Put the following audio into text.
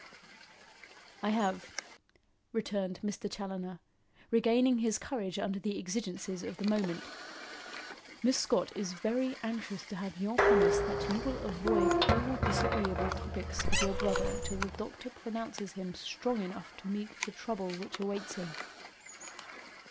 "I have," returned Mr. Challoner, regaining his courage under the exigencies of the moment. "Miss Scott is very anxious to have your promise that you will avoid all disagreeable topics with your brother till the doctor pronounces him strong enough to meet the trouble which awaits him."